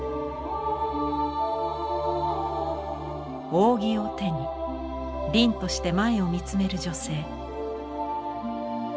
扇を手に凛として前を見つめる女性。